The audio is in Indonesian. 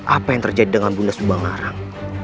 apa yang terjadi dengan bunda subang arang